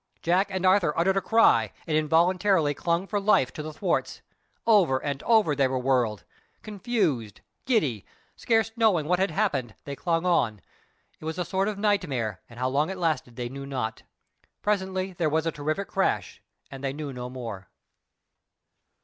Jack and Arthur uttered a cry, and involuntarily clung for life to the thwarts. Over and over they were whirled. Confused, giddy, scarce knowing what had happened, they clung on. It was a sort of nightmare, and how long it lasted they knew not. Presently there was a terrific crash, and they knew no more.